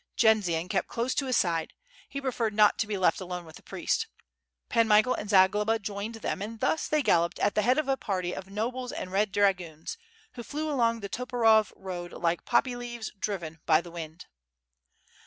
Jendzian kept close to his side; he preferred not to be left alone with the priest. Pan Michael and Zagloba jained them and thus they galloped at the head of a party of nobles and red dragoons, who flew along the Toporov road like poppy leaves driven by the wind.